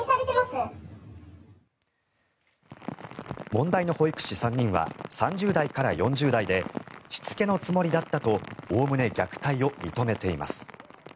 問題の保育士３人は３０代から４０代でしつけのつもりだったとおおむね虐待を認めています。